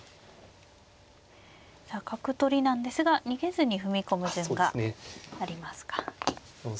さあ角取りなんですが逃げずに踏み込む順がありますか。